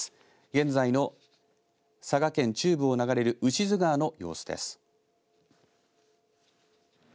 現在の佐賀県中部を流れる牛津川の様子です。